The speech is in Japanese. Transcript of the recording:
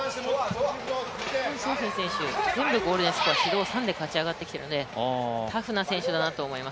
ムンソンフィ選手、全部ゴールデンスコア、指導３で勝ち上がってきているのでタフな選手だと思います。